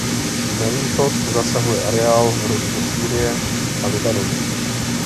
Na východ zasahuje areál rodu do Sýrie a Libanonu.